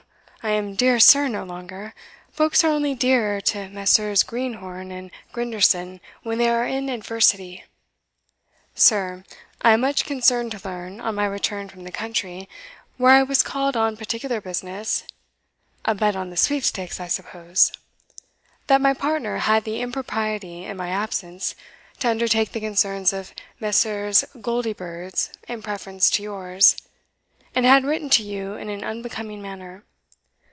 I am dear sir no longer; folks are only dear to Messrs. Greenhorn and Grinderson when they are in adversity] Sir, I am much concerned to learn, on my return from the country, where I was called on particular business [a bet on the sweepstakes, I suppose], that my partner had the impropriety, in my absence, to undertake the concerns of Messrs. Goldiebirds in preference to yours, and had written to you in an unbecoming manner.